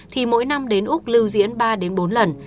thì mỗi năm đến úc lưu diễn ba đến bốn lần